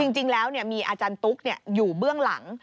จริงแล้วมีอาจารย์ตุ๊กอยู่เบื้องหลัง